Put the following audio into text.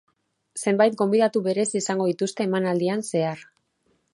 Zebait gonbidatu berezi izango dituzte emanaldian zehar.